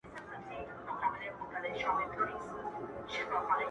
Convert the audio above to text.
عظيم خليل ګمنامه ښه يم